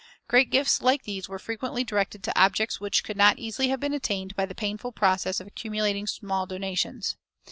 Great gifts like these were frequently directed to objects which could not easily have been attained by the painful process of accumulating small donations.